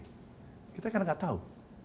kita kadang kadang tidak tahu